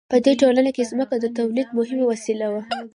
په دې ټولنه کې ځمکه د تولید مهمه وسیله وه.